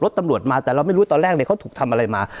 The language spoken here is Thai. ตำรวจมาแต่เราไม่รู้ตอนแรกเลยเขาถูกทำอะไรมา